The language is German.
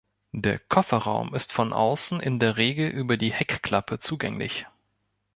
Der Kofferraum ist von außen in der Regel über die Heckklappe zugänglich.